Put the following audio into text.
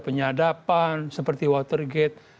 penyadapan seperti watergate